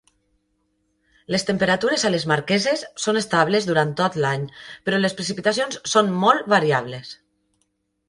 Les temperatures a les Marqueses són estables durant tot l'any, però les precipitacions són molt variables.